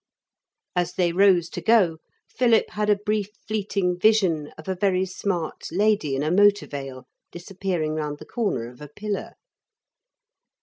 As they rose to go, Philip had a brief fleeting vision of a very smart lady in a motor veil, disappearing round the corner of a pillar.